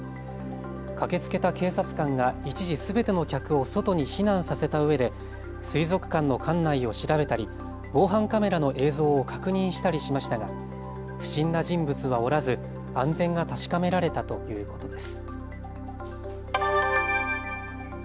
駆けつけた警察官が一時すべての客を外に避難させたうえで水族館の館内を調べたり防犯カメラの映像を確認したりしましたが不審な人物はおらず安全が確かめられたということです。